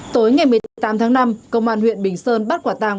tối ngày một mươi tám tháng năm công an huyện bình sơn bắt quả tàng